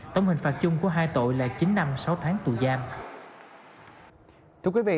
tổng hình phạt chung của hai tội là chín năm sáu tháng tù giam